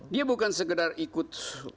dia bukan sekedar ikut